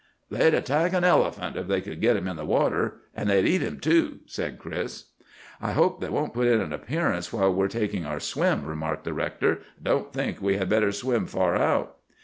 "'They'd attack an elephant, if they could git him in the water. An' they'd eat him too,' said Chris. "'I hope they won't put in an appearance while we're taking our swim,' remarked, the rector. 'I don't think we had better swim far out.